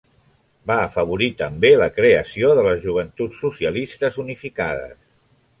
Va afavorir també la creació de les Joventuts Socialistes Unificades.